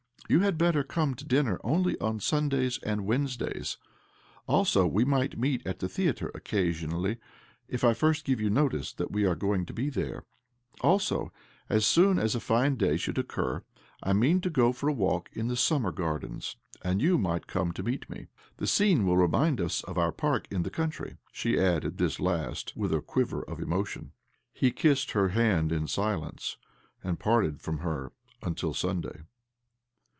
You had better come to dinner only on Sundays and Wednes days. Also, we might meet at the theatre occasionally, if I first give you notice that we are going to be there. Also, as soon as a fine day should occur I mean to go for a walk in the Summer Gardens,' and you might come to meet me. The scene will ' A public park in Petrograd. OBLOMOV 205 remind us of our park in the country." She added this last with a quiver of emotion. He 'kissed her hand in silence, and parted from her until Sunday.